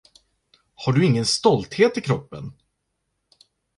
Har du ingen stolthet i kroppen?